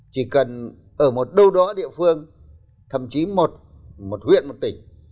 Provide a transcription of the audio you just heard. chỉ cần ở một đâu đó địa phương thậm chí một huyện một tỉnh